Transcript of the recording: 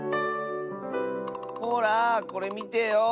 ほらこれみてよ。